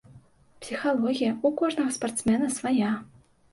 Псіхалогія ў кожнага спартсмена свая.